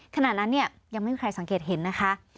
ขณะนั้นเนี่ยยังไม่มีใครสังเกตเห็นนะคะ